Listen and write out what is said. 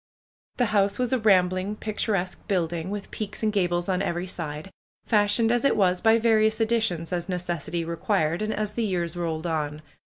The house was a rambling, picturesque building, with peaks and gables on every side, fashioned as it was by various additions as necessity required, and as the years rolled on.